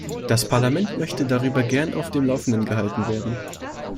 Das Parlament möchte darüber gern auf dem laufenden gehalten werden.